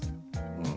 うん。